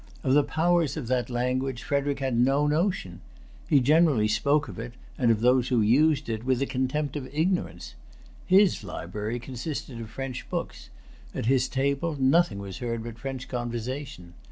Of the powers of that language[Pg 279] Frederic had no notion. He generally spoke of it, and of those who used it, with the contempt of ignorance. His library consisted of French books; at his table nothing was heard but French conversation.